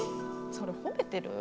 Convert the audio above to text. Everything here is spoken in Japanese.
それ褒めてる？